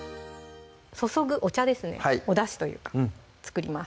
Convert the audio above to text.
注ぐお茶ですねおだしというか作ります